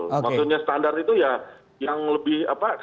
maksudnya standar itu ya yang lebih apa